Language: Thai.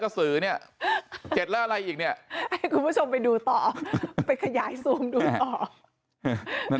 สือเนี่ยเจ็ดแล้วอะไรอีกเนี่ยให้คุณผู้ชมไปดูต่อไปขยายซูมดูต่อ